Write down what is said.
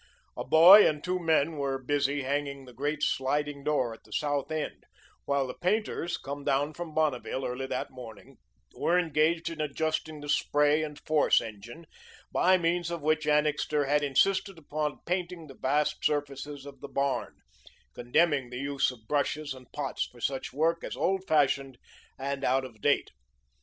A boy and two men were busy hanging the great sliding door at the south end, while the painters come down from Bonneville early that morning were engaged in adjusting the spray and force engine, by means of which Annixter had insisted upon painting the vast surfaces of the barn, condemning the use of brushes and pots for such work as old fashioned and out of date.